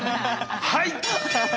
はい！